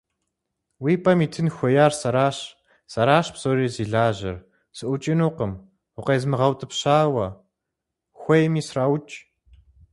Уи пӀэм итын хуеяр сэращ, сэращ псори зи лажьэр, сыӀукӀынукъым укъезмыгъэутӀыпщауэ, хуейми сраукӀ!